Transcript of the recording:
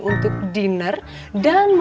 untuk diner dan